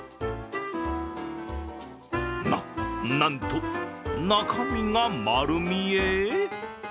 な、なんと中身が丸見え？！